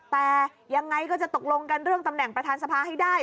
แต่ยังไงก็จะตกลงกันเรื่องตำแหน่งประธานสภาให้ได้